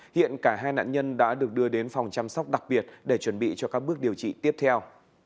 hiện cả hai nạn nhân đã được đưa đến phòng chăm sóc đặc biệt để chuẩn bị cho các bước điều trị tiếp theo